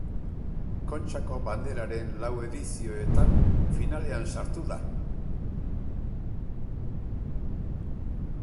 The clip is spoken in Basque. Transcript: Kontxako Banderaren lau edizioetan finalean sartu da.